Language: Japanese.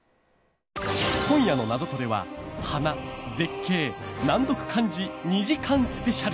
今夜のナゾトレは花＆絶景＆難読漢字２時間スペシャル。